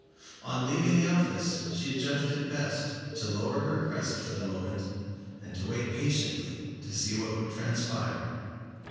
On leaving the office she judged it best to lower her crest for the moment and to wait patiently to see what would transpire.